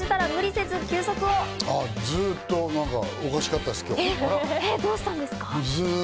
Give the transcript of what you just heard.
ずっとおかしかったです、今日。